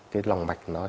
cái lòng mạch nó